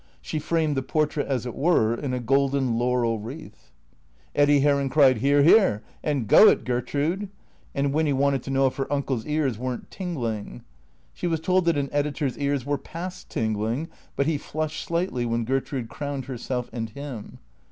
She framed the portrait as it were in a golden laurel wreath, Eddy Heron cried, " Hear, hear !" and " Go it, Gertrude !" and "Winny wanted to know if her uncle's ears were n't tingling. She was told that an editor's ears were past tingling. But he flushed slightly when Gertrude crowned herself and him.